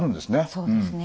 そうですね。